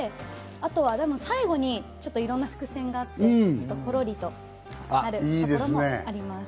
あとは、でも最後にいろんな伏線があって、ほろりとあるところもあります。